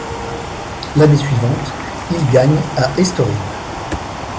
L'année suivante, il gagne à Estoril.